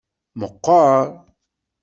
Meqqeṛ.